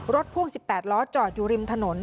พ่วง๑๘ล้อจอดอยู่ริมถนน